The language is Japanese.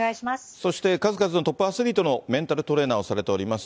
そして数々のトップアスリートのメンタルトレーナーもされています